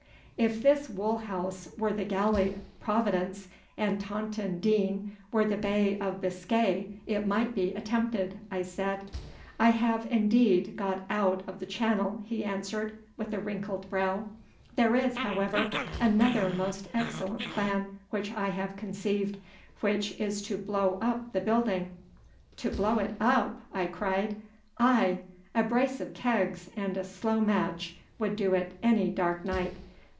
'If this wool house were the galley Providence and Taunton Deane were the Bay of Biscay, it might be attempted,' I said. 'I have indeed got out o' the channel,' he answered, with a wrinkled brow. 'There is, however, another most excellent plan which I have conceived, which is to blow up the building.' 'To blow it up!' I cried. 'Aye! A brace of kegs and a slow match would do it any dark night.